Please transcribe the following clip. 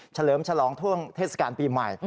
เฉลิมฉลองช่วงเทศกาลปีใหม่